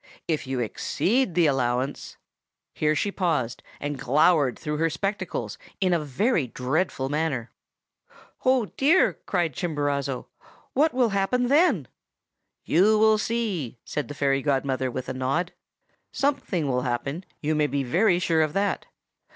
If you exceed the allowance—' Here she paused, and glowered through her spectacles in a very dreadful manner. "'Oh, dear!' cried Chimborazo. 'What will happen then?' "'You will see!' said the fairy godmother, with a nod. 'Something will happen, you may be very sure of that.